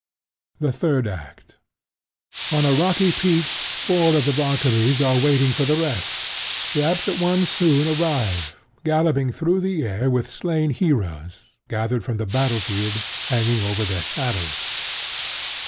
The Third Act On a rocky peak, four of the Valkyries are waiting for the rest. The absent ones soon arrive, galloping through the air with slain heroes, gathered from the battle field, hanging over their saddles.